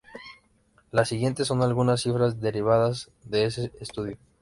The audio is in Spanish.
Las siguientes son algunas cifras derivadas de ese estudio.